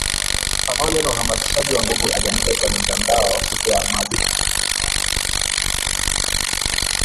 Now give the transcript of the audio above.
pamoja na uhamasishaji wa nguvu aliandika kwenye mtandao siku ya Alhamisi